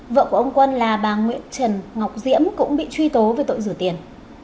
vợ của ông quân là bà nguyễn trần ngọc diễm cũng bị truy tố về tội rửa tiền